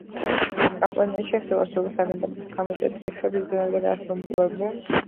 კამპანიაში ასევე არსებობს აგენტების სამი ტიპი: ჯაშუშები, დესპანები და დაქირავებული მკვლელები.